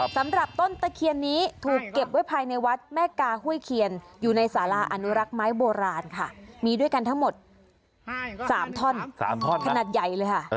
สำหรับต้นตะเคียนนี้ถูกเก็บไว้ภายในวัดแม่กาห้วยเคียนอยู่ในสาราอนุรักษ์ไม้โบราณค่ะมีด้วยกันทั้งหมด๓ท่อน๓ท่อนขนาดใหญ่เลยค่ะ